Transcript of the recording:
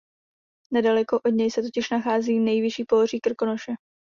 Nedaleko od něj se totiž nachází nejvyšší pohoří Krkonoše.